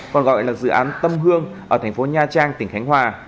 còn gọi là dự án tâm hương ở tp nha trang tỉnh khánh hòa